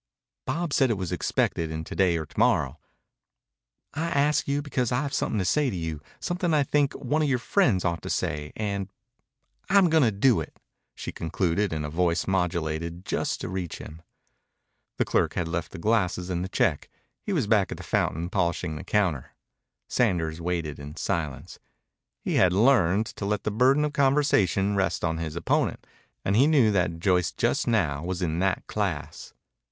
"Bob said it was expected in to day or to morrow.... I asked you because I've something to say to you, something I think one of your friends ought to say, and and I'm going to do it," she concluded in a voice modulated just to reach him. The clerk had left the glasses and the check. He was back at the fountain polishing the counter. Sanders waited in silence. He had learned to let the burden of conversation rest on his opponent, and he knew that Joyce just now was in that class.